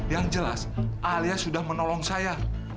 yang jelas alias sudah menolong saya